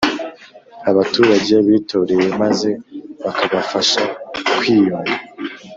abaturage bitoreye maze bakabafasha kwiyunga